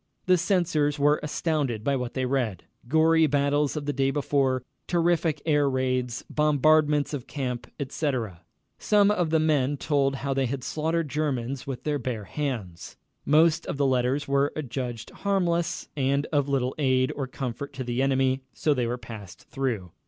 The censors were astounded by what they read ... gory battles of the day before, terrific air raids, bombardments of camp, etc. Some of the men told how they had slaughtered Germans with their bare hands. Most of the letters were adjudged harmless, and of little aid or comfort to the enemy, so they were passed through.